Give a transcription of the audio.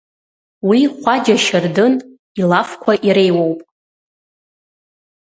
Уи Хәаџьа Шьардын илафқәа иреиуоуп.